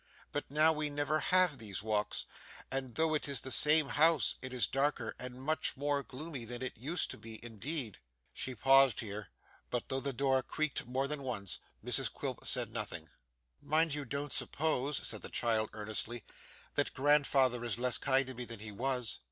But now we never have these walks, and though it is the same house it is darker and much more gloomy than it used to be, indeed!' She paused here, but though the door creaked more than once, Mrs Quilp said nothing. 'Mind you don't suppose,' said the child earnestly, 'that grandfather is less kind to me than he was.